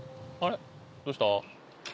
どうした？